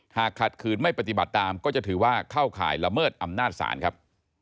หากขัดขืนไม่ปฏิบัติตามก็จะถือว่าเข้าข่ายละเมิดอำนาจศาลครับ